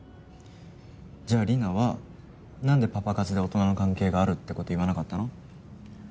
じゃあリナはなんでパパ活で大人の関係があるってこと言わなかったの？